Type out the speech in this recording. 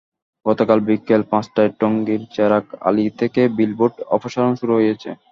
গতকাল বিকেল পাঁচটায় টঙ্গীর চেরাগ আলী থেকে বিলবোর্ড অপসারণ শুরু হয়েছে।